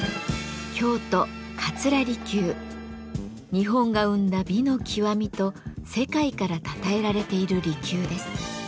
「日本が生んだ美の極み」と世界からたたえられている離宮です。